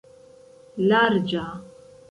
larĝa